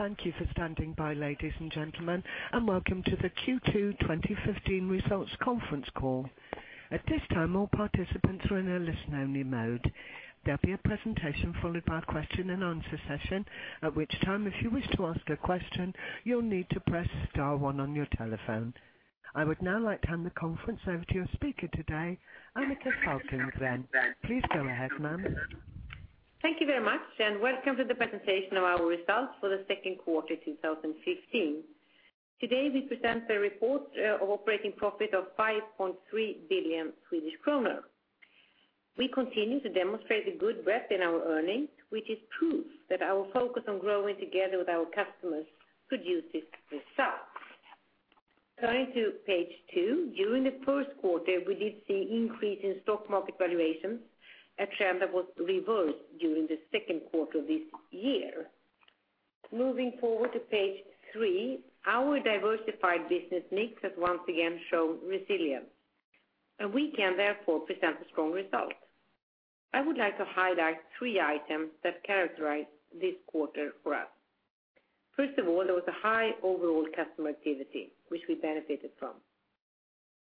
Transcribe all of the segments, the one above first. Thank you for standing by, ladies and gentlemen, and welcome to the Q2 2015 results conference call. At this time, all participants are in a listen-only mode. There will be a presentation followed by a question and answer session, at which time, if you wish to ask a question, you will need to press star one on your telephone. I would now like to hand the conference over to your speaker today, Annika Falkengren. Please go ahead, ma'am. Thank you very much, and welcome to the presentation of our results for the second quarter 2015. Today we present a report of operating profit of 5.3 billion Swedish kronor. We continue to demonstrate a good breadth in our earnings, which is proof that our focus on growing together with our customers produces results. Turning to page two. During the first quarter, we did see increase in stock market valuations, a trend that was reversed during the second quarter of this year. Moving forward to page three, our diversified business mix has once again shown resilience, and we can therefore present a strong result. I would like to highlight three items that characterize this quarter for us. First of all, there was a high overall customer activity, which we benefited from.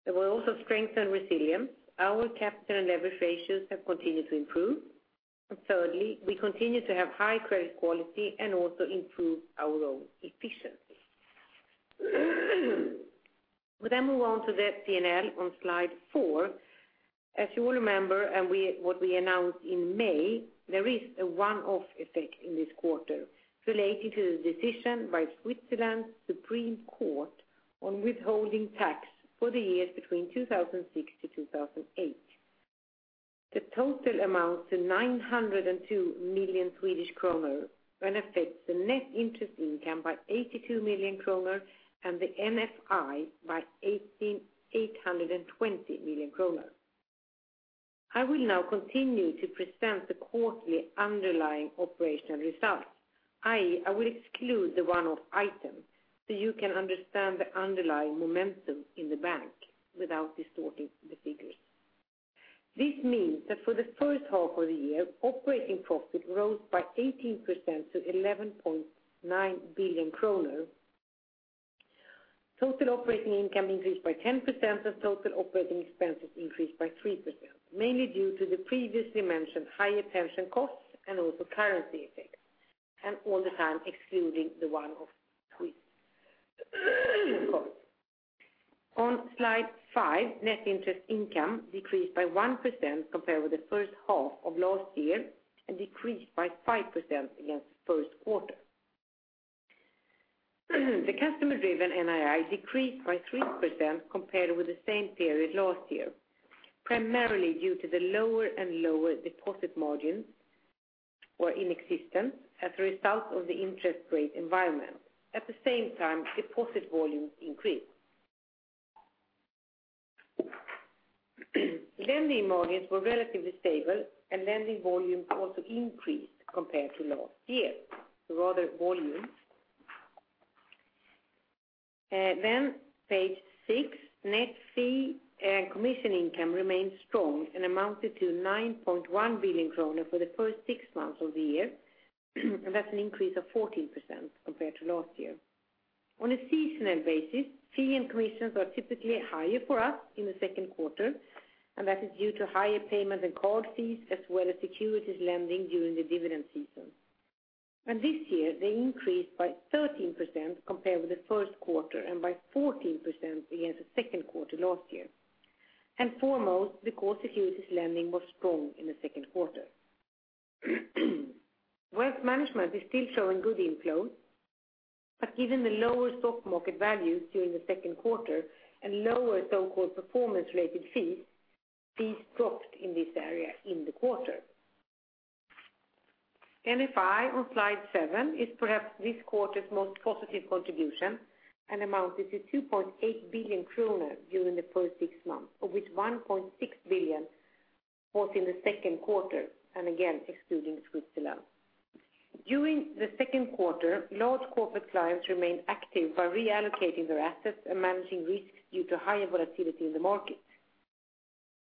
There were also strength and resilience. Our capital and leverage ratios have continued to improve. Thirdly, we continue to have high credit quality and also improved our own efficiency. We move on to the P&L on slide four. As you all remember and what we announced in May, there is a one-off effect in this quarter related to the decision by Switzerland's Supreme Court on withholding tax for the years between 2006 to 2008. The total amounts to 902 million Swedish kronor and affects the net interest income by 82 million kronor and the NFI by 820 million kronor. I will now continue to present the quarterly underlying operational results, i.e., I will exclude the one-off item so you can understand the underlying momentum in the bank without distorting the figures. This means that for the first half of the year, operating profit rose by 18% to 11.9 billion kronor. Total operating income increased by 10%. Total operating expenses increased by 3%, mainly due to the previously mentioned higher pension costs and also currency effects. All the time excluding the one-off Swiss costs. On slide five, net interest income decreased by 1% compared with the first half of last year and decreased by 5% against the first quarter. The customer-driven NII decreased by 3% compared with the same period last year, primarily due to the lower and lower deposit margins or inexistent as a result of the interest rate environment. At the same time, deposit volumes increased. Lending margins were relatively stable and lending volumes also increased compared to last year. Rather volumes. Page six, net fee and commission income remained strong and amounted to 9.1 billion kronor for the first six months of the year. That is an increase of 14% compared to last year. On a seasonal basis, fee and commissions are typically higher for us in the second quarter, that is due to higher payments and card fees as well as securities lending during the dividend season. This year they increased by 13% compared with the first quarter and by 14% against the second quarter last year. Foremost, because securities lending was strong in the second quarter. Wealth management is still showing good inflows, but given the lower stock market values during the second quarter and lower so-called performance-related fees dropped in this area in the quarter. NFI on slide seven is perhaps this quarter's most positive contribution and amounted to 2.8 billion kronor during the first six months, of which 1.6 billion was in the second quarter, and again excluding Switzerland. During the second quarter, large corporate clients remained active by reallocating their assets and managing risks due to higher volatility in the market.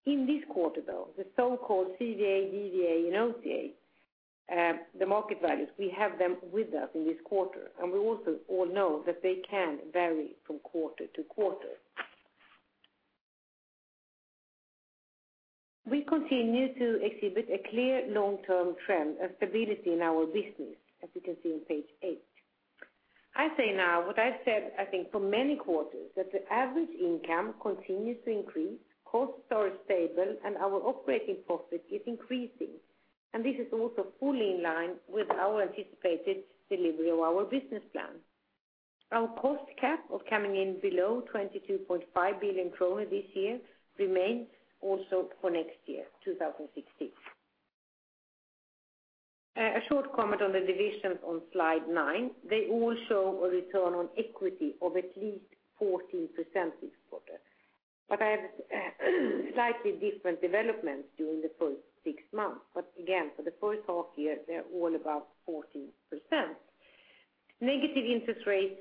In this quarter, though, the so-called CVA, DVA and OVA, the market values, we have them with us in this quarter, we also all know that they can vary from quarter to quarter. We continue to exhibit a clear long-term trend of stability in our business, as you can see on page eight. I say now what I've said I think for many quarters, that the average income continues to increase, costs are stable, our operating profit is increasing. This is also fully in line with our anticipated delivery of our business plan. Our cost cap of coming in below 22.5 billion kronor this year remains also for next year, 2016. A short comment on the divisions on slide nine. They all show a return on equity of at least 14% this quarter. I have slightly different developments during the first six months. Again, for the first half year, they're all above 14%. Negative interest rates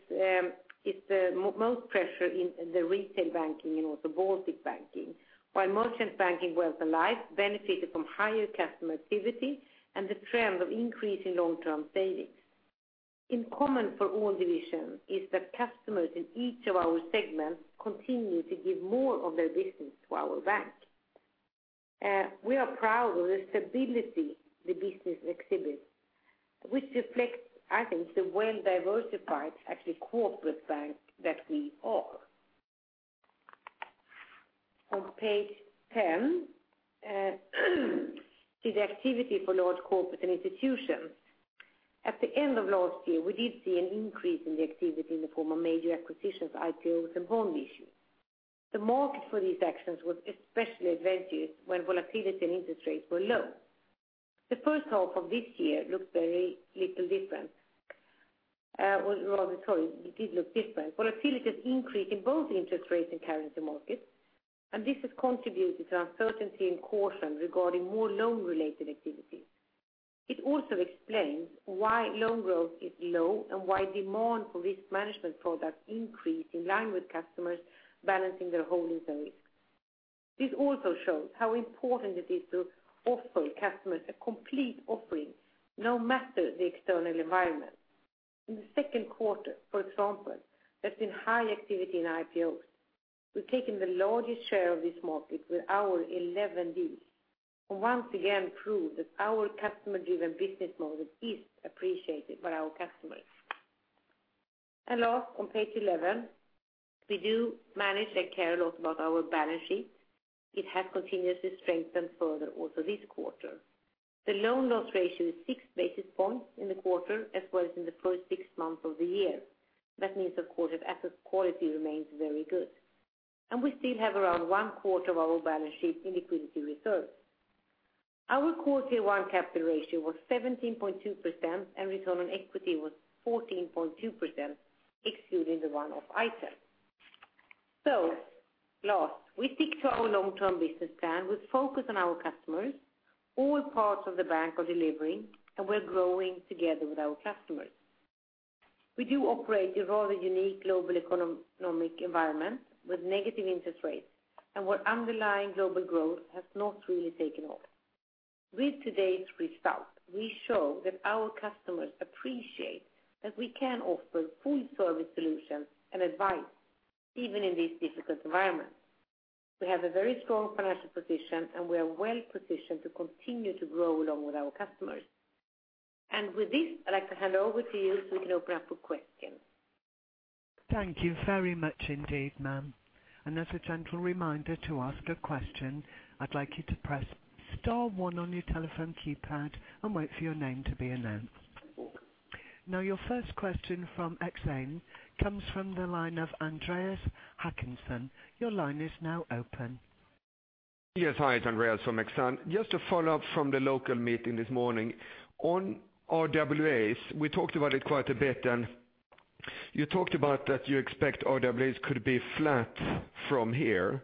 is the most pressure in the retail banking and also Baltic banking, while merchant banking wealth and life benefited from higher customer activity and the trend of increasing long-term savings. In common for all divisions is that customers in each of our segments continue to give more of their business to our bank. We are proud of the stability the business exhibits, which reflects, I think, the well-diversified actually corporate bank that we are. On page 10 is activity for large corporate and institutions. At the end of last year, we did see an increase in the activity in the form of major acquisitions, IPOs and bond issues. The market for these actions was especially advantageous when volatility and interest rates were low. The first half of this year looked very little different. Sorry, it did look different. Volatility has increased in both interest rates and currency markets, this has contributed to uncertainty and caution regarding more loan-related activities. It also explains why loan growth is low and why demand for risk management products increase in line with customers balancing their holdings and risk. This also shows how important it is to offer customers a complete offering no matter the external environment. In the second quarter, for example, there's been high activity in IPOs. We've taken the largest share of this market with our 11 deals, once again prove that our customer-driven business model is appreciated by our customers. Last on page 11, we do manage and care a lot about our balance sheet. It has continuously strengthened further also this quarter. The loan loss ratio is six basis points in the quarter as well as in the first six months of the year. That means of course our asset quality remains very good, and we still have around one quarter of our balance sheet in liquidity reserves. Our Core Tier 1 capital ratio was 17.2% and return on equity was 14.2%, excluding the one-off item. Last, we stick to our long-term business plan with focus on our customers. All parts of the bank are delivering, and we're growing together with our customers. We do operate a rather unique global economic environment with negative interest rates and where underlying global growth has not really taken off. With today's result, we show that our customers appreciate that we can offer full service solutions and advice even in these difficult environments. We have a very strong financial position, we are well-positioned to continue to grow along with our customers. With this, I'd like to hand over to you so we can open up for questions. Thank you very much indeed, ma'am. As a gentle reminder to ask a question, I'd like you to press star one on your telephone keypad and wait for your name to be announced. Now your first question from Exane comes from the line of Andreas Håkansson. Your line is now open. Yes. Hi, it's Andreas from Exane. Just to follow up from the local meeting this morning. On RWAs, we talked about it quite a bit, you talked about that you expect RWAs could be flat from here.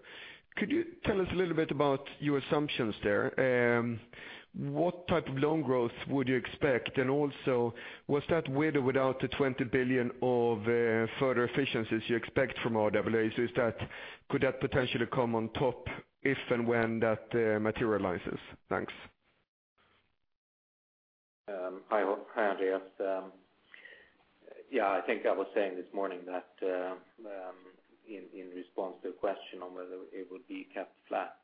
Could you tell us a little bit about your assumptions there? What type of loan growth would you expect? Also was that with or without the 20 billion of further efficiencies you expect from RWAs? Could that potentially come on top if and when that materializes? Thanks. Hi, Andreas. Yeah, I think I was saying this morning that in response to a question on whether it would be kept flat,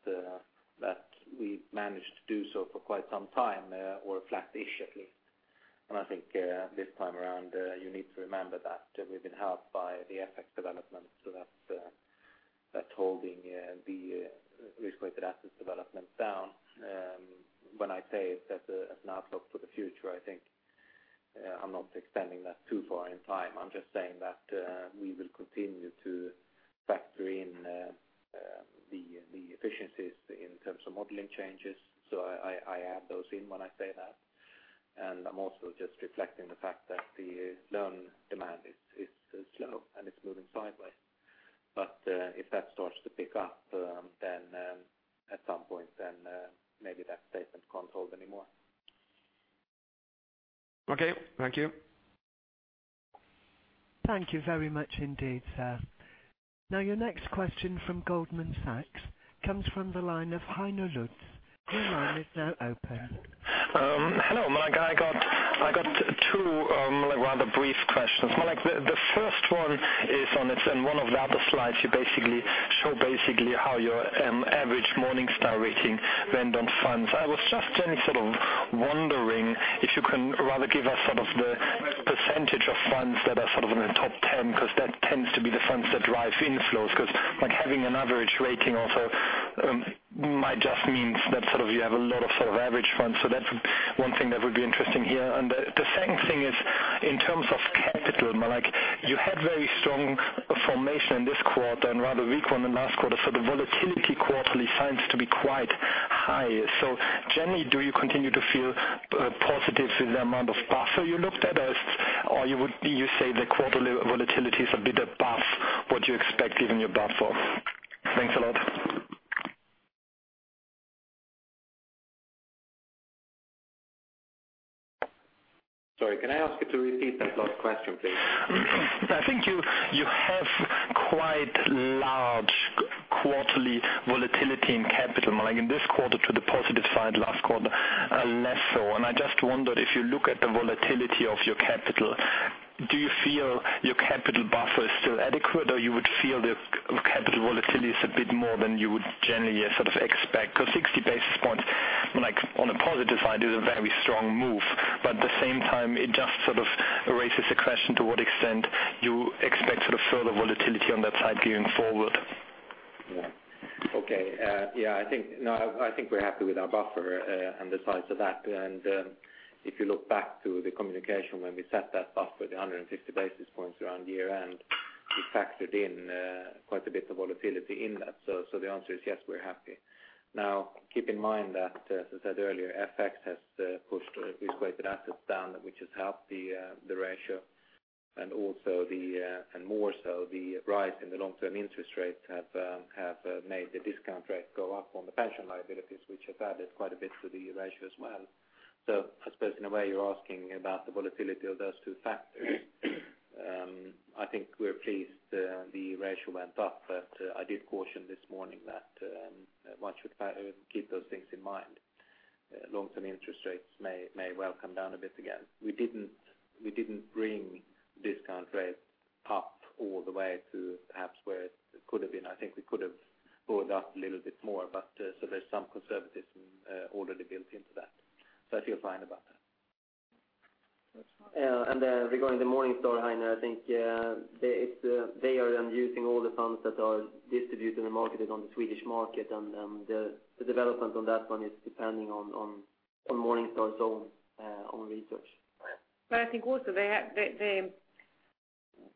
that we've managed to do so for quite some time or flat-ish at least. I think this time around you need to remember that we've been helped by the FX development so that's holding the risk-weighted assets development down. When I say it as an outlook for the future, I think I'm not extending that too far in time. I'm just saying that we will continue to factor in the efficiencies in terms of modeling changes. I add those in when I say that, and I'm also just reflecting the fact that the loan demand is slow, and it's moving sideways. If that starts to pick up at some point then maybe that statement can't hold anymore. Okay. Thank you. Thank you very much indeed, sir. Your next question from Goldman Sachs comes from the line of Heino Lutz. Your line is now open. Hello, Malik. I got two rather brief questions. Malik, the first one is on one of the other slides, you show basically how your average Morningstar rating went on funds. I was just then sort of wondering if you can rather give us the percentage of funds that are in the top 10, because that tends to be the funds that drive inflows. Because having an average rating also might just mean that you have a lot of average funds. That's one thing that would be interesting here. The second thing is in terms of capital, Malik, you had very strong formation in this quarter and rather weak one in last quarter. The volatility quarterly seems to be quite high. Generally, do you continue to feel positive with the amount of buffer you looked at, or you would say the quarterly volatility is a bit above what you expect even your buffer? Sorry, can I ask you to repeat that last question please? I think you have quite large quarterly volatility in capital. In this quarter to the positive side, last quarter less so. I just wondered if you look at the volatility of your capital, do you feel your capital buffer is still adequate, or you would feel the capital volatility is a bit more than you would generally expect? 60 basis points on the positive side is a very strong move, but at the same time, it just raises a question to what extent you expect further volatility on that side going forward. Okay. I think we're happy with our buffer and the size of that. If you look back to the communication when we set that buffer at the 150 basis points around year-end, we factored in quite a bit of volatility in that. The answer is yes, we're happy. Keep in mind that, as I said earlier, FX has pushed risk-weighted assets down, which has helped the ratio, and more so the rise in the long-term interest rates have made the discount rate go up on the pension liabilities, which have added quite a bit to the ratio as well. I suppose in a way you're asking about the volatility of those two factors. I think we're pleased the ratio went up, but I did caution this morning that one should keep those things in mind. Long-term interest rates may well come down a bit again. We didn't bring discount rates up all the way to perhaps where it could have been. I think we could have brought it up a little bit more, there's some conservatism already built into that. I feel fine about that. That's fine. Regarding the Morningstar, Heino, I think they are using all the funds that are distributed and marketed on the Swedish market, the development on that one is depending on Morningstar's own research. I think also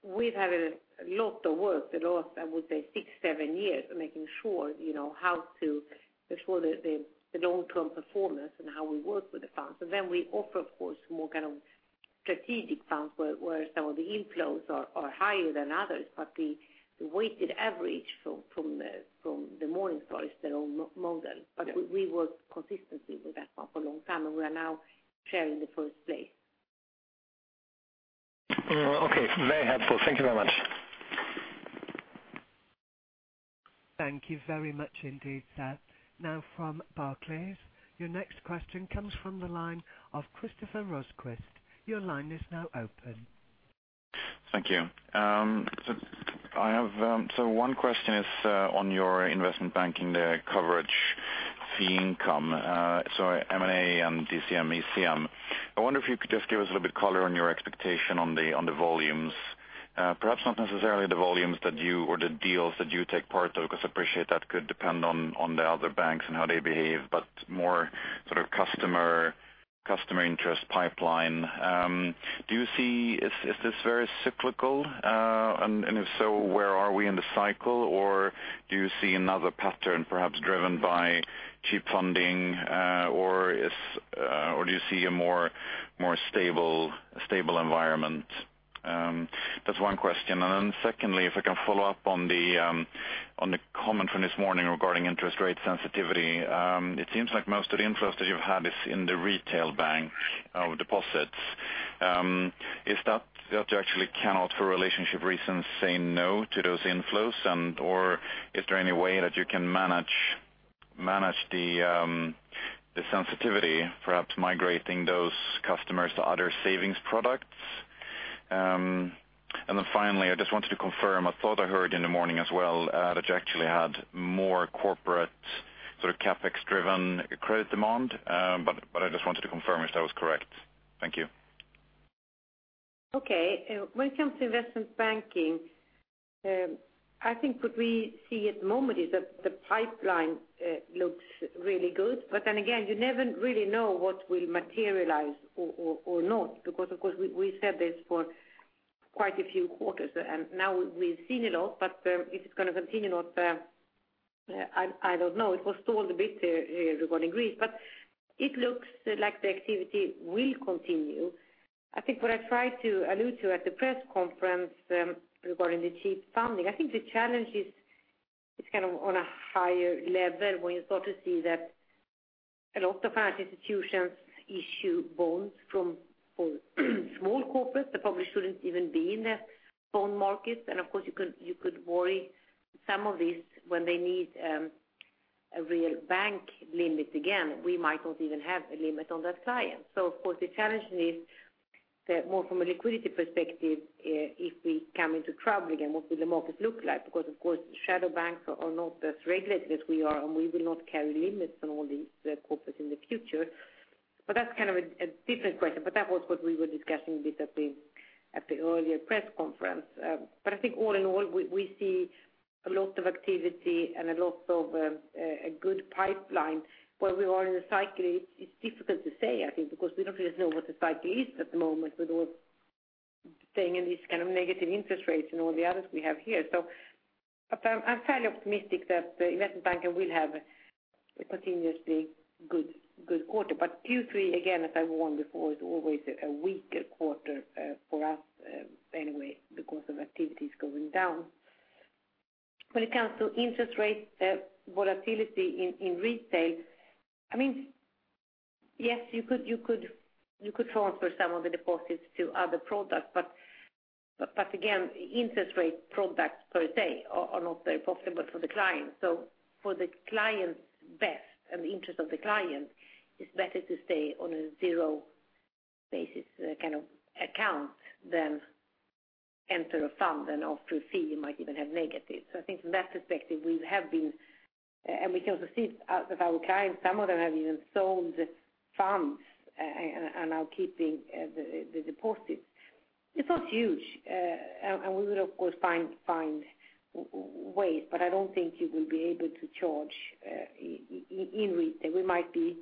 we've had a lot of work the last, I would say six, seven years, making sure how to ensure the long-term performance and how we work with the funds. We offer, of course, more strategic funds where some of the inflows are higher than others, the weighted average from the Morningstar is their own model. We work consistently with that one for a long time, and we are now sharing the first place. Okay. Very helpful. Thank you very much. Thank you very much indeed, sir. From Barclays, your next question comes from the line of Christoffer Rosquist. Your line is now open. Thank you. One question is on your investment banking, the coverage fee income, M&A and DCM, ECM. I wonder if you could just give us a little bit color on your expectation on the volumes. Perhaps not necessarily the volumes that you, or the deals that you take part of, because I appreciate that could depend on the other banks and how they behave, but more customer interest pipeline. Is this very cyclical? If so, where are we in the cycle? Do you see another pattern, perhaps driven by cheap funding, or do you see a more stable environment? That's one question. Secondly, if I can follow up on the comment from this morning regarding interest rate sensitivity. It seems like most of the interest that you've had is in the retail bank deposits. Is that you actually cannot, for relationship reasons, say no to those inflows and/or is there any way that you can manage the sensitivity, perhaps migrating those customers to other savings products? Finally, I just wanted to confirm, I thought I heard in the morning as well that you actually had more corporate CapEx-driven credit demand. I just wanted to confirm if that was correct. Thank you. When it comes to investment banking, I think what we see at the moment is that the pipeline looks really good. Again, you never really know what will materialize or not, because, of course, we said this for quite a few quarters, and now we've seen a lot, but if it's going to continue or not, I don't know. It was stalled a bit regarding Greece, but it looks like the activity will continue. I think what I tried to allude to at the press conference regarding the cheap funding, I think the challenge is on a higher level when you start to see that a lot of financial institutions issue bonds from small corporates that probably shouldn't even be in the bond market. Of course, you could worry some of these when they need a real bank limit again. We might not even have a limit on that client. Of course, the challenge is that more from a liquidity perspective if we come into trouble again, what will the market look like? Of course, shadow banks are not as regulated as we are, and we will not carry limits on all these corporates in the future. That's a different question. That was what we were discussing a bit at the earlier press conference. I think all in all, we see a lot of activity and a lot of a good pipeline. Where we are in the cycle, it's difficult to say, I think, because we don't really know what the cycle is at the moment with all staying in these negative interest rates and all the others we have here. I'm fairly optimistic that investment banking will have a continuously good quarter. Q3, again, as I warned before, is always a weaker quarter for us anyway because of activities going down. When it comes to interest rate volatility in retail, yes, you could transfer some of the deposits to other products, again, interest rate products per se are not very profitable for the client. For the client's best and the interest of the client, it's better to stay on a zero basis account than enter a fund and after fee, you might even have negative. I think from that perspective, we have been, and we can also see it out of our clients, some of them have even sold funds and are now keeping the deposits. It's not huge. We will, of course, find ways, but I don't think you will be able to charge in retail. We might be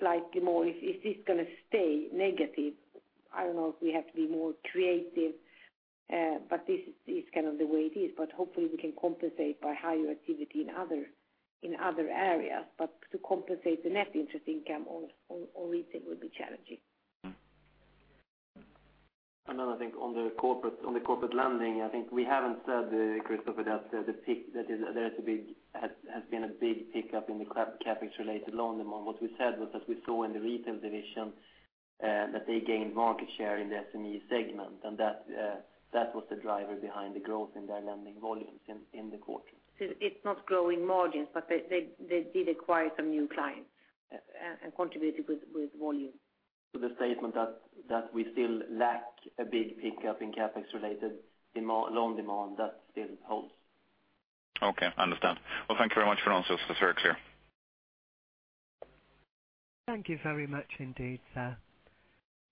slightly more, if this is going to stay negative, I don't know if we have to be more creative, this is the way it is. Hopefully we can compensate by higher activity in other areas. To compensate the net interest income on retail will be challenging. Another thing on the corporate lending, I think we haven't said, Christoffer, that there has been a big pickup in the CapEx related loan demand. What we said was that we saw in the retail division that they gained market share in the SME segment, and that was the driver behind the growth in their lending volumes in the quarter. It's not growing margins, but they did acquire some new clients and contributed with volume. The statement that we still lack a big pickup in CapEx related loan demand, that still holds. Okay, understand. Well, thank you very much for answers. That's very clear. Thank you very much indeed, sir.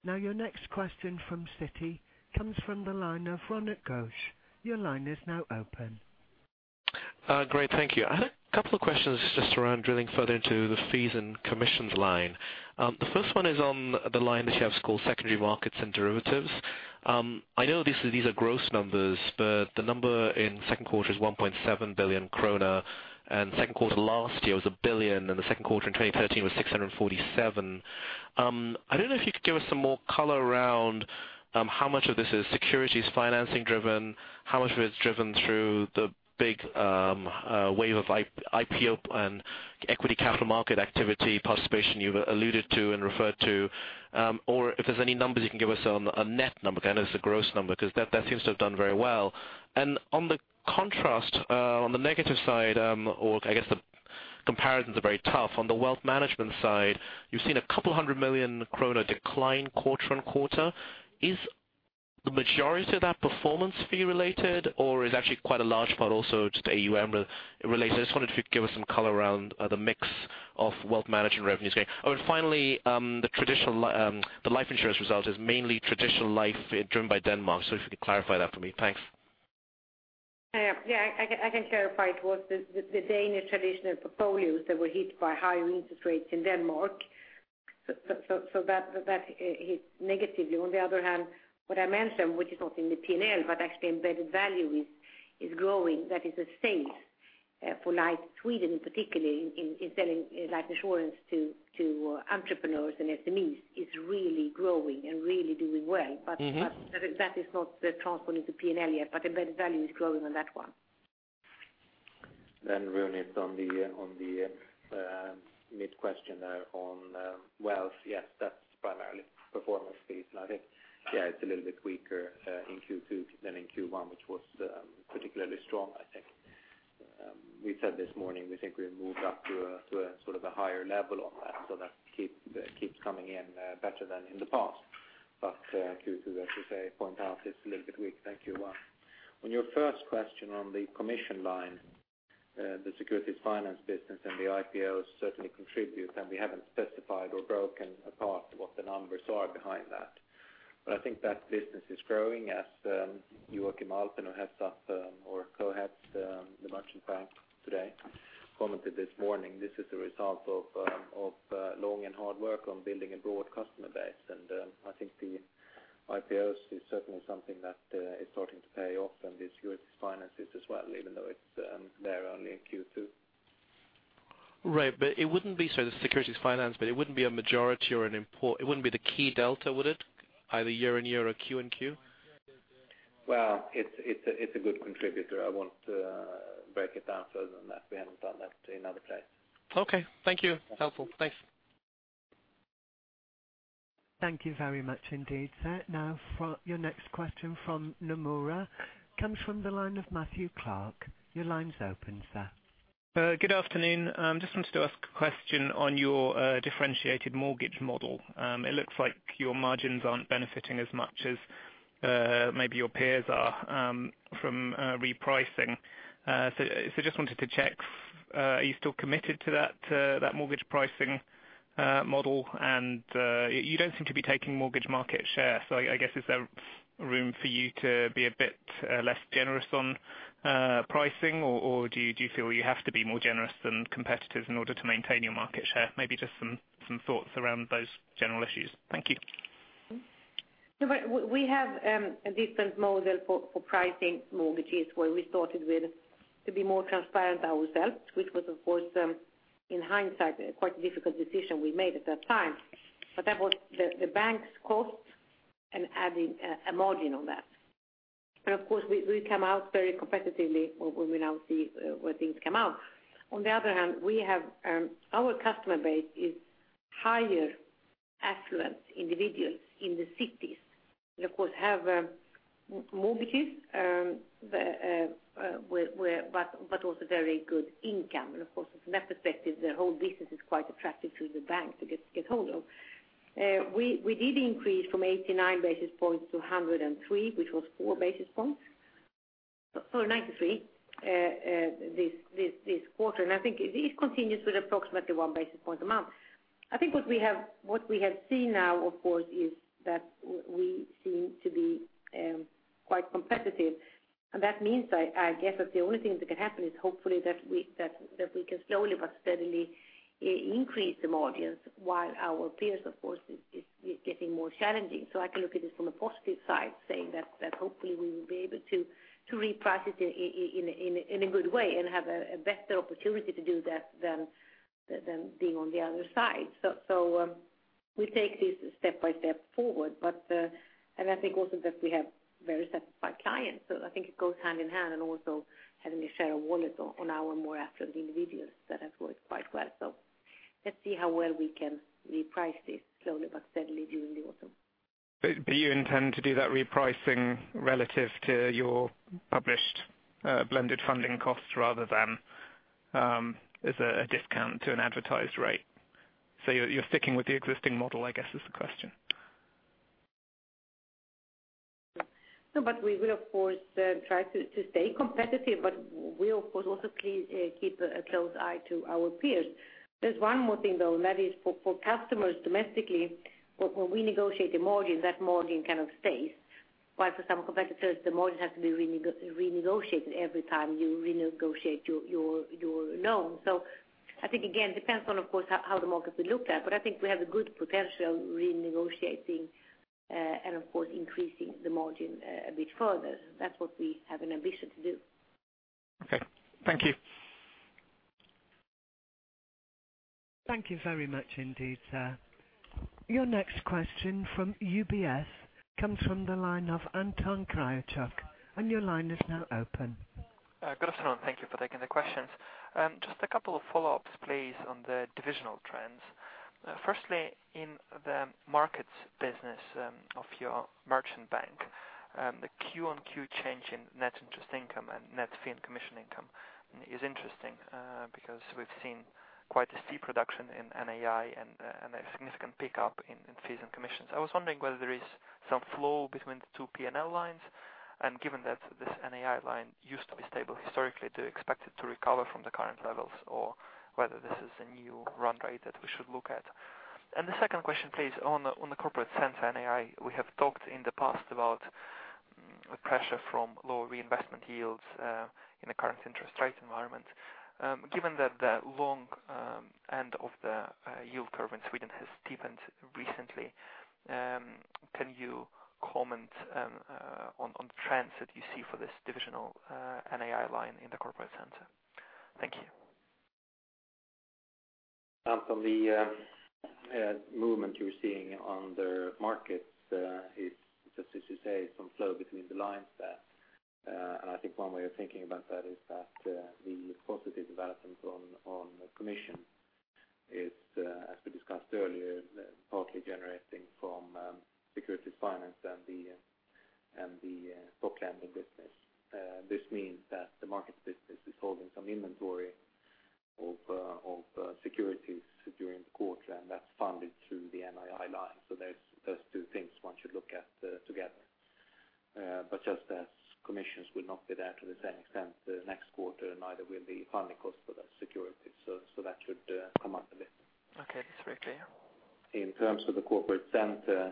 Your next question from Citi comes from the line of Ronit Ghose. Your line is now open. Great. Thank you. I had a couple of questions just around drilling further into the fees and commissions line. The first one is on the line that you have called secondary markets and derivatives. I know these are gross numbers, but the number in second quarter is 1.7 billion krona, and second quarter last year was 1 billion, and the second quarter in 2013 was 647. I don't know if you could give us some more color around how much of this is securities financing driven, how much of it is driven through the big wave of IPO and equity capital market activity participation you've alluded to and referred to, or if there's any numbers you can give us on a net number, because I know there's a gross number, because that seems to have done very well. On the contrast, on the negative side, or I guess the comparisons are very tough. On the wealth management side, you've seen a couple hundred million SEK decline quarter-on-quarter. Is the majority of that performance fee related, or is actually quite a large part also just AUM related? I just wondered if you could give us some color around the mix of wealth management revenues going. Finally, the life insurance result is mainly traditional life driven by Denmark. If you could clarify that for me. Thanks. Yeah, I can clarify. It was the Danish traditional portfolios that were hit by higher interest rates in Denmark. That hit negatively. On the other hand, what I mentioned, which is not in the P&L, but actually embedded value is growing. That is a sale for like Sweden, particularly in selling life insurance to entrepreneurs and SMEs is really growing and really doing well. That is not transferred into P&L yet, but embedded value is growing on that one. Ronit on the mid question there on wealth. Yes, that's primarily performance fees. I think it's a little bit weaker in Q2 than in Q1, which was particularly strong, I think. We said this morning we think we have moved up to a sort of a higher level on that, so that keeps coming in better than in the past. Q2, as you say, point out it's a little bit weak than Q1. On your first question on the commission line, the securities finance business and the IPOs certainly contribute, and we haven't specified or broken apart what the numbers are behind that. I think that business is growing as Joachim Alpen, who co-heads the merchant bank today, commented this morning. This is the result of long and hard work on building a broad customer base. I think the IPO is certainly something that is starting to pay off and the securities finances as well, even though they're only in Q2. Right. It wouldn't be, sorry, the securities finance, but it wouldn't be a majority or it wouldn't be the key delta, would it? Either year-on-year or quarter-on-quarter? Well, it's a good contributor. I won't break it down further than that. We haven't done that in other place. Okay. Thank you. Helpful. Thanks. Thank you very much indeed, sir. Your next question from Nomura comes from the line of Matthew Clark. Your line's open, sir. Good afternoon. Just wanted to ask a question on your differentiated mortgage model. It looks like your margins aren't benefiting as much as maybe your peers are from repricing. Just wanted to check, are you still committed to that mortgage pricing model? You don't seem to be taking mortgage market share, I guess is there room for you to be a bit less generous on pricing, or do you feel you have to be more generous than competitive in order to maintain your market share? Maybe just some thoughts around those general issues. Thank you. We have a different model for pricing mortgages where we started to be more transparent ourselves, which was of course in hindsight quite a difficult decision we made at that time. That was the bank's cost. Adding a margin on that. Of course, we come out very competitively, or we will now see where things come out. On the other hand, our customer base is higher affluent individuals in the cities. They, of course, have mortgages, but also very good income. Of course, from that perspective, the whole business is quite attractive to the bank to get hold of. We did increase from 89 basis points to 103, which was four basis points. Sorry, 93 this quarter. I think it continues with approximately one basis point a month. I think what we have seen now, of course, is that we seem to be quite competitive. That means, I guess, that the only thing that can happen is hopefully that we can slowly but steadily increase the margins while our peers, of course, is getting more challenging. I can look at this from a positive side, saying that hopefully we will be able to reprice it in a good way and have a better opportunity to do that than being on the other side. We take this step by step forward, and I think also that we have very satisfied clients. I think it goes hand in hand, and also having a share of wallet on our more affluent individuals that has worked quite well. Let's see how well we can reprice this slowly but steadily during the autumn. You intend to do that repricing relative to your published blended funding costs rather than as a discount to an advertised rate. You're sticking with the existing model, I guess is the question. We will, of course, try to stay competitive, but we'll, of course, also keep a close eye to our peers. There's one more thing, though, and that is for customers domestically, when we negotiate the margin, that margin kind of stays. While for some competitors, the margin has to be renegotiated every time you renegotiate your loan. I think, again, depends on, of course, how the market will look at. I think we have a good potential renegotiating and, of course, increasing the margin a bit further. That's what we have an ambition to do. Okay. Thank you. Thank you very much indeed, sir. Your next question from UBS comes from the line of Anton Kryachok, your line is now open. Good afternoon. Thank you for taking the questions. Just a couple of follow-ups, please, on the divisional trends. Firstly, in the markets business of your merchant bank the quarter-over-quarter change in net interest income and net fee and commission income is interesting. We've seen quite a steep reduction in NII and a significant pickup in fees and commissions. I was wondering whether there is some flow between the two P&L lines. Given that this NII line used to be stable historically, do you expect it to recover from the current levels or whether this is a new run rate that we should look at? The second question, please, on the corporate center NII, we have talked in the past about pressure from lower reinvestment yields in the current interest rate environment. Given that the long end of the yield curve in Sweden has steepened recently can you comment on trends that you see for this divisional NII line in the corporate center? Thank you. Anton, the movement you're seeing on the markets it's just as you say, some flow between the lines there. I think one way of thinking about that is that the positive development on commission is as we discussed earlier, partly generating from securities finance and the stock lending business. This means that the markets business is holding some inventory of securities during the quarter, and that's funded through the NII line. Those two things one should look at together. Just as commissions will not be there to the same extent the next quarter, neither will the funding cost for that security. That should come up a bit. Okay. That's very clear. In terms of the corporate center,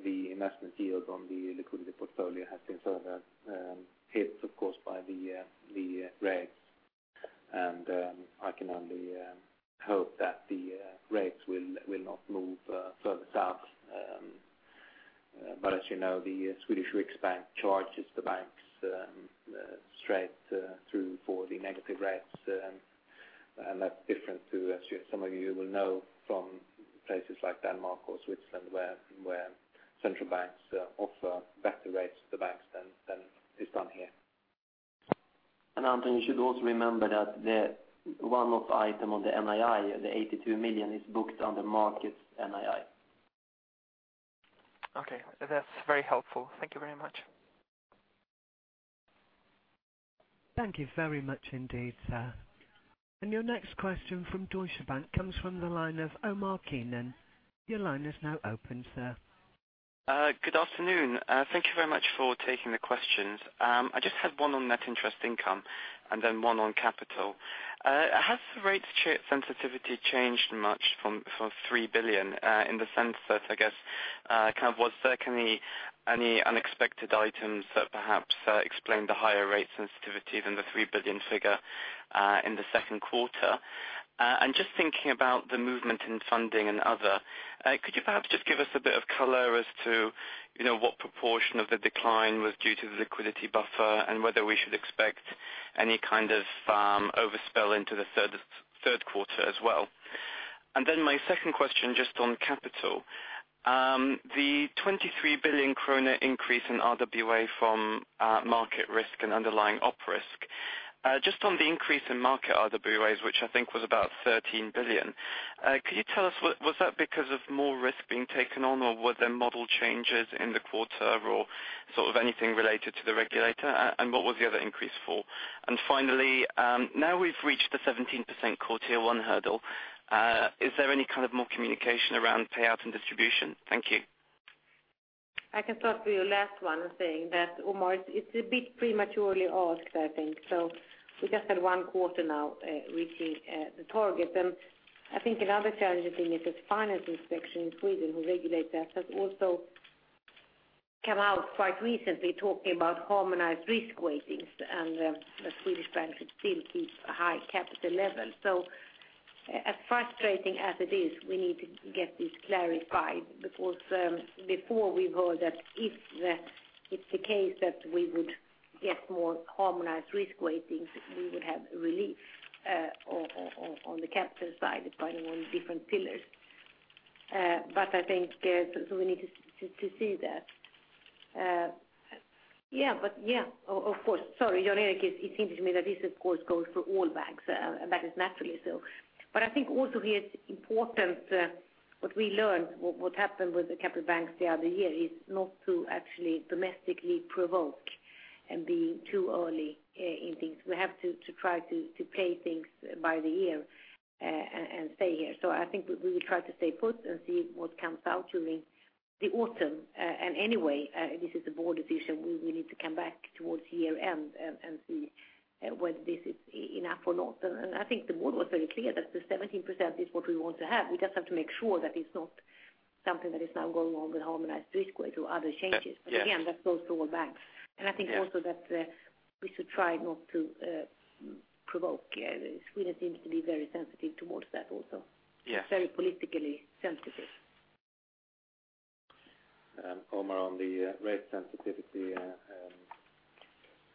the investment yield on the liquidity portfolio has been further hit, of course, by the rates. I can only hope that the rates will not move further south. As you know, the Swedish Riksbank charges the banks straight through for the negative rates, and that's different to, as some of you will know from places like Denmark or Switzerland, where central banks offer better rates to the banks than is done here. Anton, you should also remember that the one-off item on the NII, the 82 million, is booked under markets NII. Okay. That's very helpful. Thank you very much. Thank you very much indeed, sir. Your next question from Deutsche Bank comes from the line of Omar Keenan. Your line is now open, sir. Good afternoon. Thank you very much for taking the questions. I just had one on net interest income and then one on capital. Has the rate sensitivity changed much from 3 billion in the sense that, I guess, was there any unexpected items that perhaps explain the higher rate sensitivity than the 3 billion figure in the second quarter? Just thinking about the movement in funding and other, could you perhaps just give us a bit of color as to what proportion of the decline was due to the liquidity buffer, and whether we should expect any kind of over spill into the third quarter as well? My second question, just on capital. The 23 billion kronor increase in RWA from market risk and underlying op risk. Just on the increase in market RWAs, which I think was about 13 billion, could you tell us was that because of more risk being taken on or were there model changes in the quarter or anything related to the regulator? What was the other increase for? Finally, now we've reached the 17% Tier 1 hurdle, is there any more communication around payout and distribution? Thank you. I can start with your last one saying that, Omar, it's a bit prematurely asked, I think. We just had one quarter now reaching the target. Another challenging thing is this Finansinspektionen in Sweden who regulate that has also come out quite recently talking about harmonized risk weightings and the Swedish banks still keep a high capital level. As frustrating as it is, we need to get this clarified because before we've heard that if it's the case that we would get more harmonized risk weightings, we would have relief on the capital side by the more different Pillars. We need to see that. Yeah. Of course. Sorry, Jan Erik, it seems to me that this of course goes for all banks, and that is naturally so. I think also here it's important what we learned, what happened with the capital banks the other year is not to actually domestically provoke and be too early in things. We have to try to play things by the ear and stay here. I think we will try to stay put and see what comes out during the autumn. Anyway, this is the board decision. We need to come back towards year-end and see whether this is enough or not. I think the board was very clear that the 17% is what we want to have. We just have to make sure that it's not something that is now going on with harmonized risk weight or other changes. Yes. Again, that goes to all banks. Yeah. I think also that we should try not to provoke. Sweden seems to be very sensitive towards that also. Yes. Very politically sensitive. Omar, on the rate sensitivity,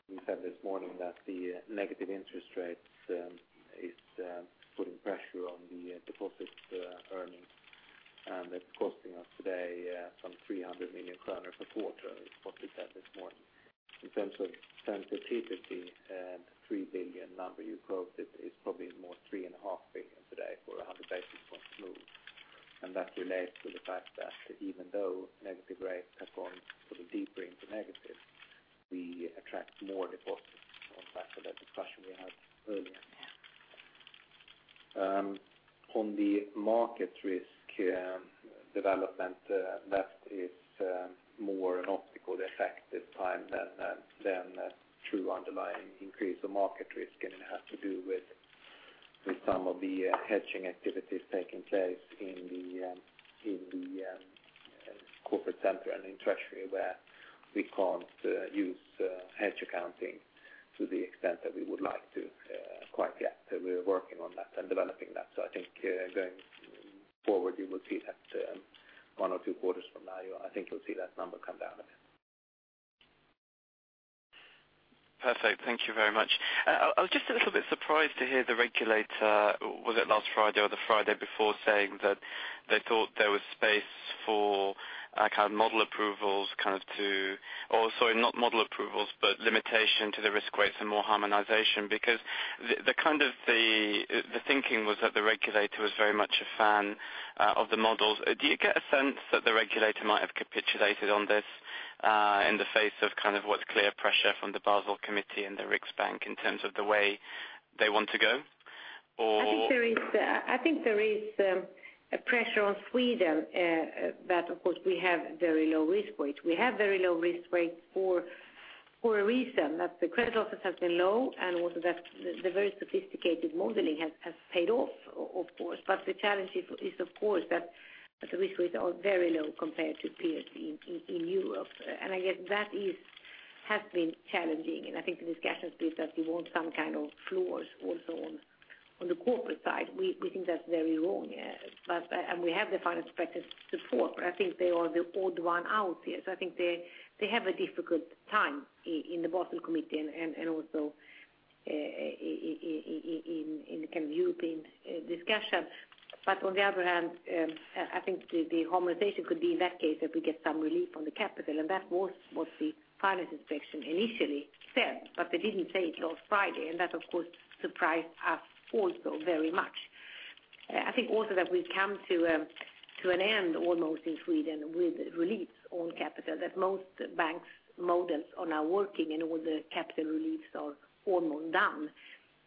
you said this morning that the negative interest rate is putting pressure on the deposit earnings, and it's costing us today some 300 million kronor per quarter, is what you said this morning. In terms of sensitivity, the 3 billion number you quoted is probably more 3.5 billion today for 100 basis point move. That relates to the fact that even though negative rates have gone sort of deeper into negative, we attract more deposits on top of that discussion we had earlier. Yeah. On the market risk development, that is more an optical effect this time than a true underlying increase of market risk, and it has to do with some of the hedging activities taking place in the corporate center and in treasury, where we can't use hedge accounting to the extent that we would like to quite yet. We're working on that and developing that. I think going forward, you will see that one or two quarters from now, I think you'll see that number come down a bit. Perfect. Thank you very much. I was just a little bit surprised to hear the regulator, was it last Friday or the Friday before, saying that they thought there was space for model approvals to Or, sorry, not model approvals, but limitation to the risk weights and more harmonization, because the thinking was that the regulator was very much a fan of the models. Do you get a sense that the regulator might have capitulated on this in the face of what's clear pressure from the Basel Committee and the Riksbank in terms of the way they want to go? I think there is a pressure on Sweden that, of course, we have very low risk weight. We have very low risk weight for a reason, that the credit losses have been low, and also that the very sophisticated modeling has paid off, of course. The challenge is, of course, that the risk weights are very low compared to peers in Europe. I guess that has been challenging, and I think there was guidance piece that we want some kind of floors also on the corporate side. We think that's very wrong. We have the Finansinspektionen support, but I think they are the odd one out here. I think they have a difficult time in the Basel Committee and also in the European discussion. On the other hand, I think the harmonization could be in that case that we get some relief on the capital, and that was what the Finansinspektionen initially said, but they didn't say it last Friday, and that, of course, surprised us also very much. I think also that we've come to an end almost in Sweden with relief on capital, that most banks' models are now working and all the capital reliefs are almost done.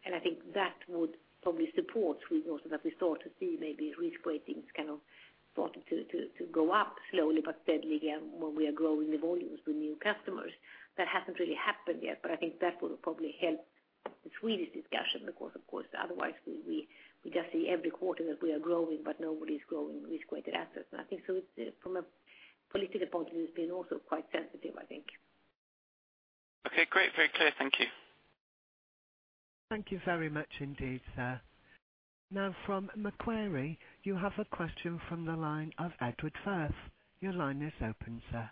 I think that would probably support Sweden also that we start to see maybe risk weightings starting to go up slowly but steadily again when we are growing the volumes with new customers. That hasn't really happened yet, but I think that will probably help the Swedish discussion because, of course, otherwise we just see every quarter that we are growing, but nobody's growing risk-weighted assets. I think from a political point of view, it's been also quite sensitive, I think. Okay, great. Very clear. Thank you. Thank you very much indeed, sir. From Macquarie, you have a question from the line of Edward Firth. Your line is open, sir.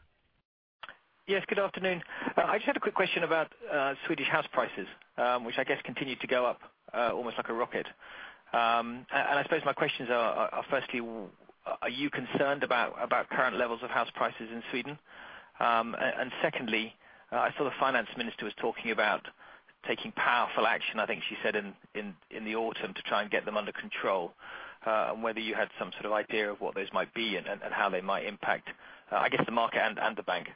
Yes, good afternoon. I just had a quick question about Swedish house prices, which I guess continue to go up almost like a rocket. I suppose my questions are firstly, are you concerned about current levels of house prices in Sweden? Secondly, I saw the finance minister was talking about taking powerful action, I think she said in the autumn to try and get them under control, and whether you had some sort of idea of what those might be and how they might impact, I guess, the market and the bank.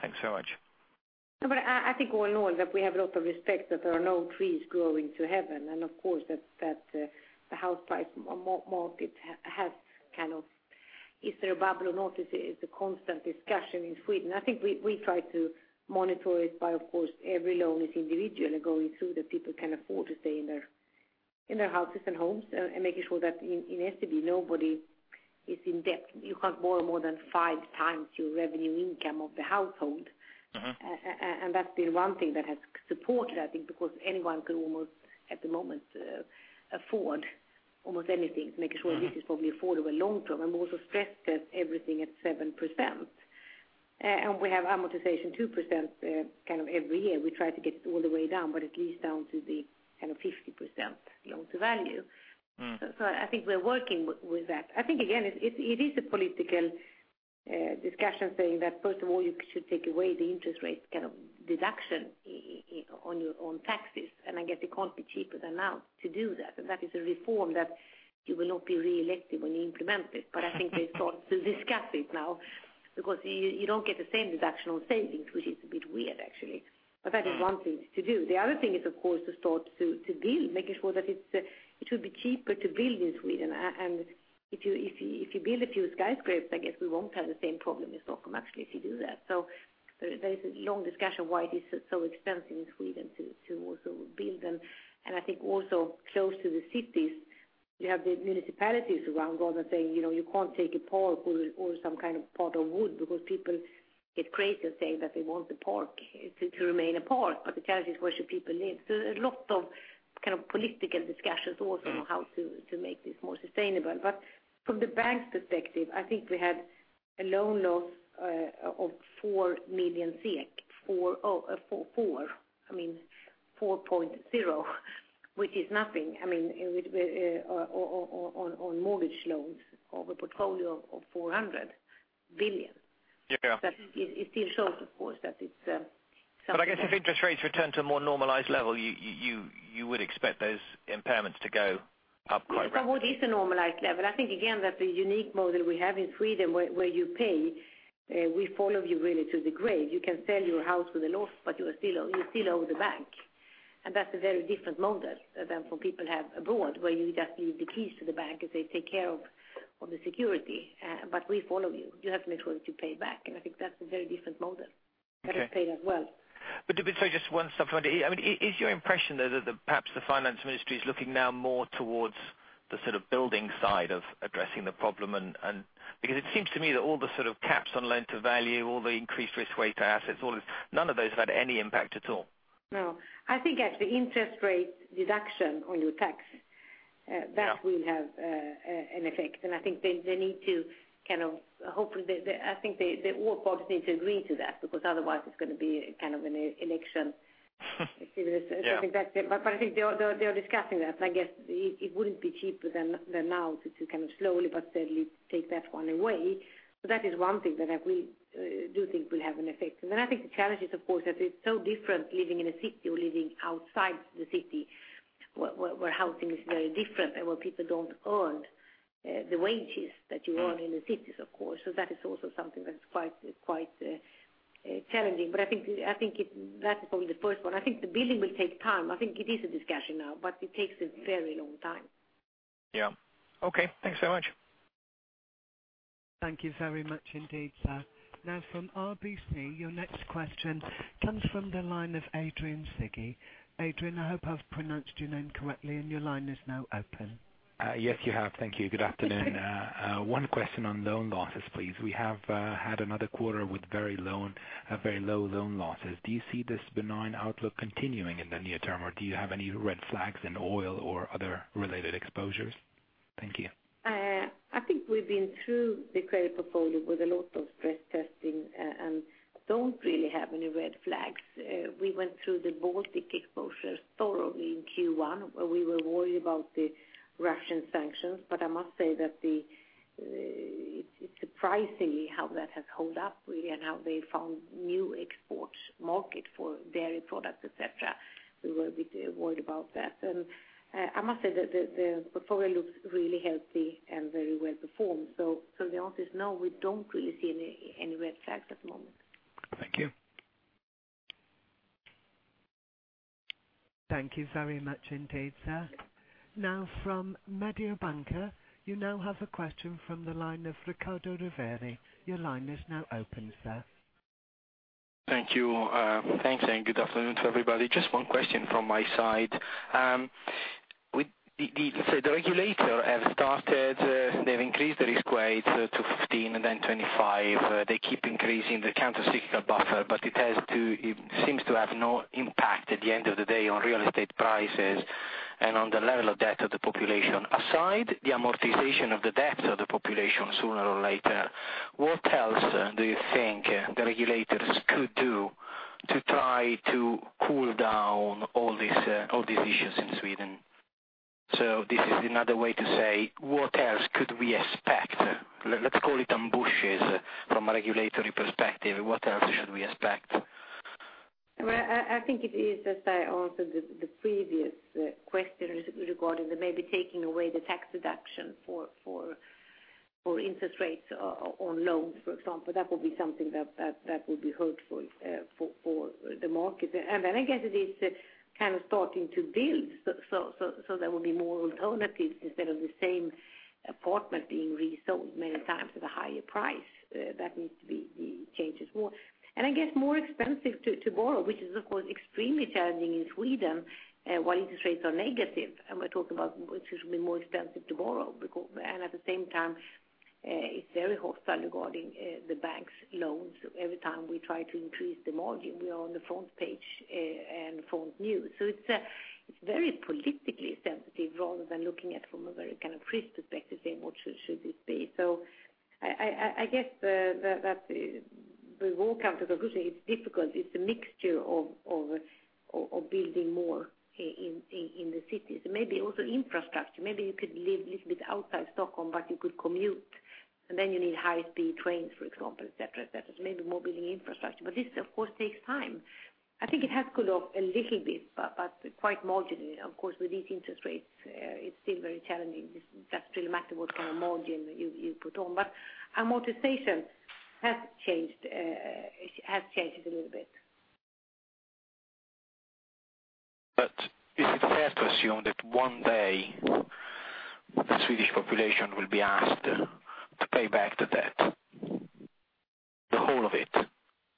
Thanks so much. No, I think all in all that we have a lot of respect that there are no trees growing to heaven. Of course, that the house price market has kind of, "Is there a bubble or not?" is a constant discussion in Sweden. I think we try to monitor it by, of course, every loan is individual and going through, that people can afford to stay in their houses and homes, and making sure that in SEB, nobody is in debt. You can't borrow more than five times your revenue income of the household. That's been one thing that has supported, I think, because anyone could almost, at the moment, afford almost anything to make sure this is probably affordable long-term. We also stress test everything at 7%. We have amortization 2% every year. We try to get it all the way down but at least down to the 50% loan-to-value. I think we're working with that. I think, again, it is a political discussion saying that first of all, you should take away the interest rate deduction on your own taxes, I guess it can't be cheaper than now to do that. That is a reform that you will not be reelected when you implement it. I think they start to discuss it now because you don't get the same deduction on savings, which is a bit weird, actually. That is one thing to do. The other thing is, of course, to start to build, making sure that it will be cheaper to build in Sweden. If you build a few skyscrapers, I guess we won't have the same problem in Stockholm, actually, if you do that. There is a long discussion why it is so expensive in Sweden to also build them. I think also close to the cities, you have the municipalities around going and saying, "You can't take a park or some part of wood," because people get crazy and saying that they want the park to remain a park. The challenge is where should people live? A lot of political discussions also on how to make this more sustainable. From the bank's perspective, I think we had a loan loss of 4 million SEK. Four. I mean 4.0 which is nothing on mortgage loans of a portfolio of 400 billion. Yeah. It still shows, of course, that it's I guess if interest rates return to a more normalized level, you would expect those impairments to go up quite rapidly. Yes, what is a normalized level? I think, again, that the unique model we have in Sweden where you pay, we follow you really to the grave. You can sell your house with a loss, but you still owe the bank. That's a very different model than what people have abroad, where you just leave the keys to the bank as they take care of the security. We follow you. You have to make sure that you pay back, and I think that's a very different model that has paid as well. Sorry, just one supplementary. Is your impression that perhaps the finance ministry is looking now more towards the building side of addressing the problem? It seems to me that all the caps on loan-to-value, all the increased risk weight to assets, all this, none of those had any impact at all. No. I think actually interest rate deduction on your tax- Yeah That will have an effect. I think they need to, hopefully, all parties need to agree to that, because otherwise it's going to be an election activity. Yeah. I think they are discussing that. I guess it wouldn't be cheaper than now to slowly but steadily take that one away. That is one thing that we do think will have an effect. I think the challenge is, of course, that it's so different living in a city or living outside the city, where housing is very different and where people don't earn the wages that you earn in the cities, of course. That is also something that's quite challenging. I think that is only the first one. I think the building will take time. I think it is a discussion now, but it takes a very long time. Yeah. Okay. Thanks so much. Thank you very much indeed, sir. From RBC, your next question comes from the line of Adrian Cighi. Adrian, I hope I've pronounced your name correctly, and your line is now open. Yes, you have. Thank you. Good afternoon. One question on loan losses, please. We have had another quarter with very low loan losses. Do you see this benign outlook continuing in the near term, or do you have any red flags in oil or other related exposures? Thank you. I think we've been through the credit portfolio with a lot of stress testing and don't really have any red flags. We went through the Baltic exposures thoroughly in Q1 where we were worried about the Russian sanctions. I must say that it's surprising how that has held up really, and how they found new export market for dairy products, et cetera. We were a bit worried about that. I must say that the portfolio looks really healthy and very well performed. The answer is no, we don't really see any red flags at the moment. Thank you. Thank you very much indeed, sir. Now from Mediobanca, you now have a question from the line of Riccardo Rovere. Your line is now open, sir. Thank you. Thanks. Good afternoon to everybody. Just one question from my side. The regulator have started, they've increased the risk weight to 15 and then 25. They keep increasing the countercyclical buffer. It seems to have no impact at the end of the day on real estate prices. On the level of debt of the population. Aside the amortization of the debt of the population sooner or later, what else do you think the regulators could do to try to cool down all these issues in Sweden? This is another way to say, what else could we expect? Let's call it ambushes from a regulatory perspective. What else should we expect? I think it is, as I answered the previous question regarding maybe taking away the tax deduction for interest rates on loans, for example. That will be something that will be hurtful for the market. I guess it is starting to build, so there will be more alternatives instead of the same apartment being resold many times at a higher price. That needs to be changed as well. I guess more expensive to borrow, which is, of course, extremely challenging in Sweden while interest rates are negative. We talk about it should be more expensive to borrow. At the same time, it's very hostile regarding the banks' loans. Every time we try to increase the margin, we are on the front page and front news. It's very politically sensitive rather than looking at it from a very crisp perspective, saying what should it be? I guess that we will come to the conclusion it's difficult. It's a mixture of building more in the cities and maybe also infrastructure. Maybe you could live a little bit outside Stockholm, but you could commute, then you need high-speed trains, for example, et cetera. Maybe more building infrastructure, but this, of course, takes time. I think it has cooled off a little bit, but quite marginally. Of course, with these interest rates, it's still very challenging. It doesn't really matter what kind of margin you put on. Amortization has changed a little bit. Is it fair to assume that one day the Swedish population will be asked to pay back the debt? The whole of it,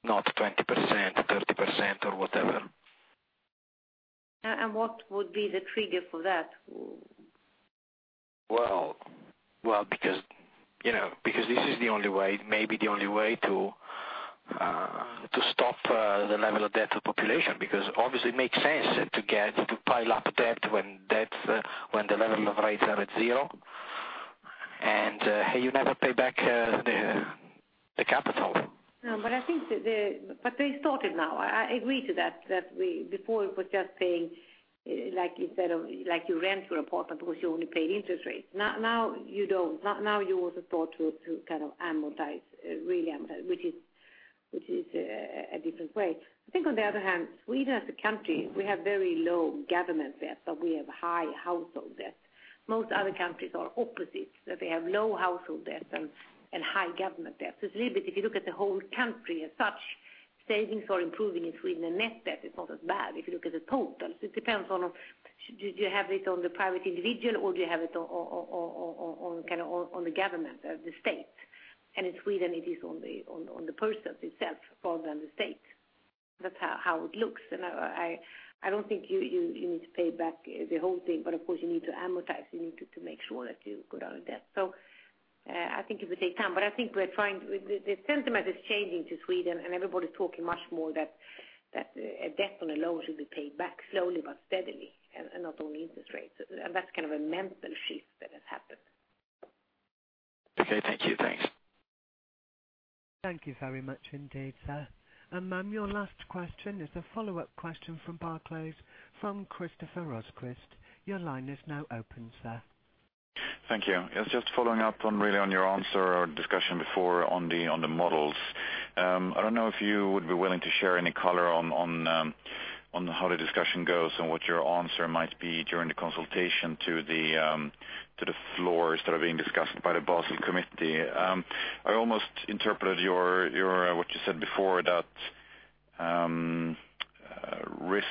not 20%, 30%, or whatever. What would be the trigger for that? Because this is the only way, maybe the only way to stop the level of debt to population, because obviously it makes sense to pile up debt when the level of rates are at zero, and you never pay back the capital. They started now. I agree to that before it was just paying, like you rent your apartment because you only paid interest rates. Now you don't. Now you also start to really amortize, which is a different way. On the other hand, Sweden as a country, we have very low government debt, but we have high household debt. Most other countries are opposite, that they have low household debt and high government debt. It's a little bit if you look at the whole country as such, savings are improving in Sweden, and net debt is not as bad if you look at the totals. It depends on do you have it on the private individual or do you have it on the government or the state. In Sweden, it is on the persons itself rather than the state. That's how it looks. I don't think you need to pay back the whole thing, but of course you need to amortize. You need to make sure that you go down in debt. I think it will take time, but I think the sentiment is changing to Sweden, and everybody's talking much more that a debt on a loan should be paid back slowly but steadily, and not only interest rates. That's a mental shift that has happened. Okay, thank you. Thanks. Thank you very much indeed, sir. Ma'am, your last question is a follow-up question from Barclays, from Christoffer Rosquist. Your line is now open, sir. Thank you. Yes, just following up really on your answer or discussion before on the models. I don't know if you would be willing to share any color on how the discussion goes and what your answer might be during the consultation to the floors that are being discussed by the Basel Committee. I almost interpreted what you said before, that risk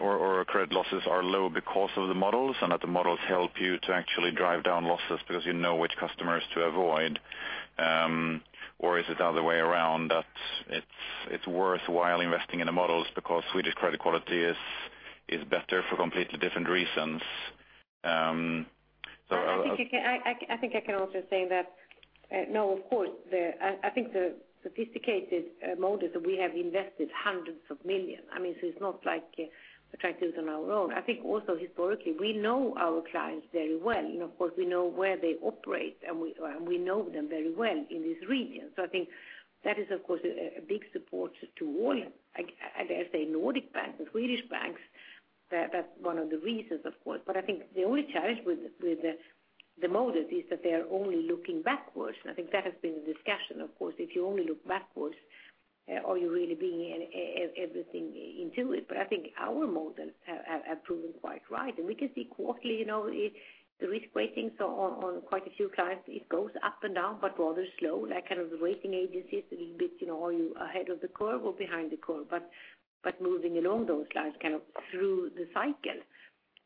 or credit losses are low because of the models, and that the models help you to actually drive down losses because you know which customers to avoid. Is it the other way around, that it's worthwhile investing in the models because Swedish credit quality is better for completely different reasons? I think I can also say that, no, of course, I think the sophisticated models that we have invested SEK hundreds of millions. It's not like we try to do it on our own. I think also historically, we know our clients very well, and of course, we know where they operate, and we know them very well in this region. I think that is, of course, a big support to all, I dare say Nordic banks and Swedish banks. That's one of the reasons, of course. I think the only challenge with the models is that they're only looking backwards, and I think that has been the discussion. Of course, if you only look backwards, are you really being everything into it? I think our models have proven quite right. We can see quarterly, the risk weightings on quite a few clients, it goes up and down, but rather slow. Like the rating agencies a little bit, are you ahead of the curve or behind the curve? Moving along those lines, through the cycle.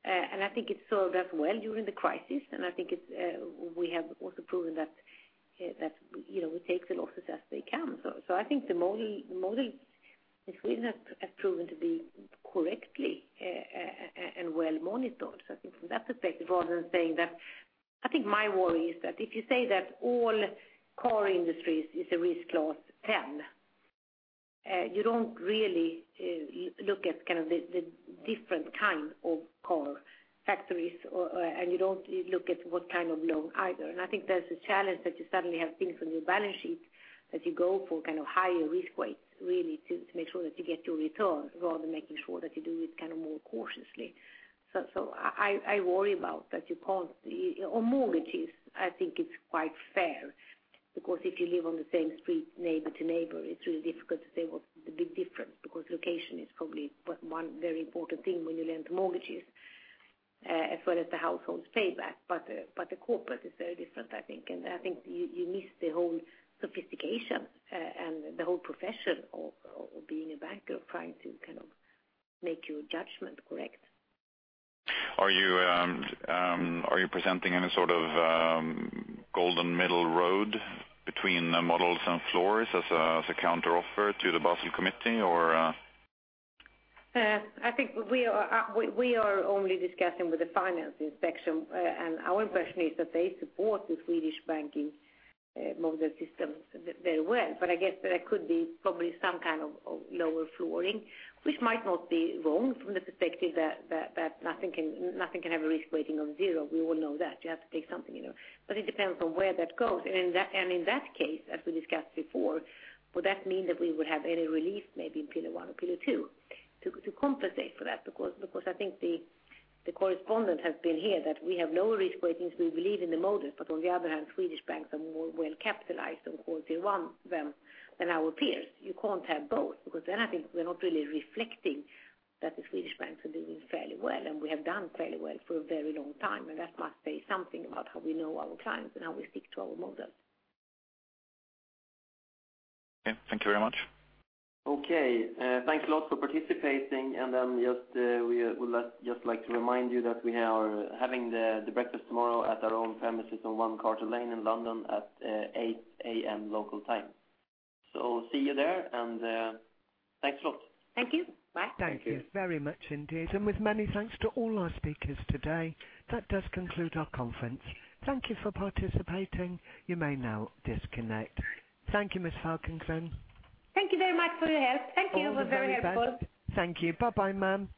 I think it served us well during the crisis, and I think we have also proven that we take the losses as they come. I think the models in Sweden have proven to be correctly and well-monitored. I think from that perspective, rather than saying that, I think my worry is that if you say that all car industries is a risk class 10, you don't really look at the different kind of car factories, and you don't look at what kind of loan either. I think there's a challenge that you suddenly have things on your balance sheet as you go for higher risk weights, really to make sure that you get your return rather than making sure that you do it more cautiously. I worry about that you can't. On mortgages, I think it's quite fair because if you live on the same street, neighbor to neighbor, it's really difficult to say what the big difference, because location is probably one very important thing when you lend mortgages, as well as the household's payback. The corporate is very different, I think. I think you miss the whole sophistication and the whole profession of being a banker, trying to make your judgment correct. Are you presenting any sort of golden middle road between the models and floors as a counteroffer to the Basel Committee or? I think we are only discussing with the financial section. Our impression is that they support the Swedish banking model systems very well. I guess there could be probably some kind of lower flooring, which might not be wrong from the perspective that nothing can have a risk weighting of zero. We all know that. You have to take something. It depends on where that goes. In that case, as we discussed before, would that mean that we would have any relief maybe in Pillar 1 or Pillar 2 to compensate for that? Because I think the correspondent has been here that we have lower risk weightings. We believe in the models. On the other hand, Swedish banks are more well-capitalized on quality one than our peers. You can't have both, because then I think we're not really reflecting that the Swedish banks are doing fairly well, and we have done fairly well for a very long time, and that must say something about how we know our clients and how we stick to our models. Okay. Thank you very much. Okay. Thanks a lot for participating. We would just like to remind you that we are having the breakfast tomorrow at our own premises on 1 Carter Lane in London at 8:00 A.M. local time. See you there, and thanks a lot. Thank you. Bye. Thank you. Thank you very much indeed. With many thanks to all our speakers today, that does conclude our conference. Thank you for participating. You may now disconnect. Thank you, Ms. Falkengren. Thank you very much for your help. Thank you. You were very helpful. All the very best. Thank you. Bye-bye, ma'am.